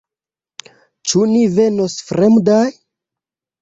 Ĉu ni venos fremdaj?